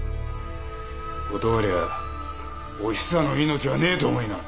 断りゃあおひさの命はねえと思いな！